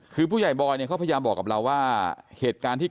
คือผู้ใหญ่บอยเนี่ยเขาพยายามบอกกับเราว่าเหตุการณ์ที่